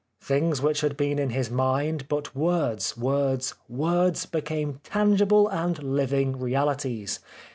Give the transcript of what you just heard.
Things which had been in his mind but words, words, words, be came tangible and living realities.